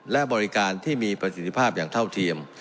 และบริการที่มีประสิทธิภาพอย่างเท่าเทียม